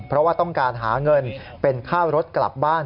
เพราะว่าต้องการหาเงินเป็นค่ารถกลับบ้าน